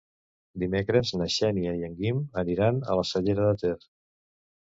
Dimecres na Xènia i en Guim aniran a la Cellera de Ter.